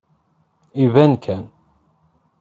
Iban kan.